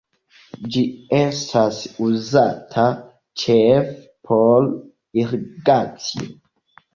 Ĝi estas uzata ĉefe por irigacio.